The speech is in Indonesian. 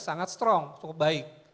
sangat strong cukup baik